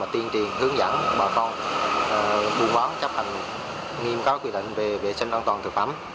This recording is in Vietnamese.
tiên triển hướng dẫn bà con mua bán chấp hành nghiêm cáo quy định về vệ sinh an toàn thực phẩm